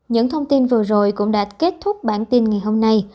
những thông tin vừa rồi cũng đã kết thúc bản tin ngày hôm nay